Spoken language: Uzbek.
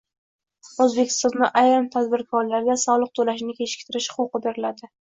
O‘zbekistonda ayrim tadbirkorlarga soliq to‘lashni kechiktirish huquqi beriladi